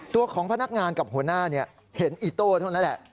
ตัวของพนักงานกับหัวหน้าเห็นอีโต้เท่านั้นแหละ